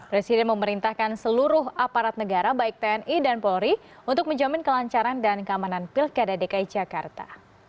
presiden memerintahkan seluruh aparat negara baik tni dan polri untuk menjamin kelancaran dan keamanan pilkada dki jakarta